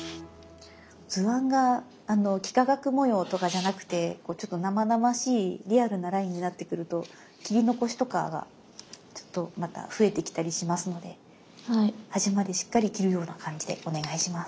図案が幾何学模様とかじゃなくてこうちょっと生々しいリアルなラインになってくると切り残しとかがちょっとまた増えてきたりしますので端までしっかり切るような感じでお願いします。